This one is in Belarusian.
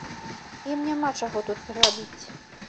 Ім няма чаго тут рабіць.